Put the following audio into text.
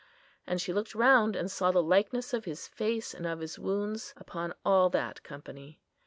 And she looked round, and saw the likeness of His face and of His wounds upon all that company.